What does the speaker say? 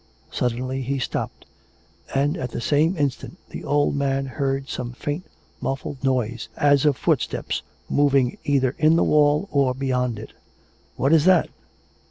Suddenly he stopped; and at the same instant the old man heard some faint, muffled noise, as of footsteps moving either in the wall or beyond it. " What is that.?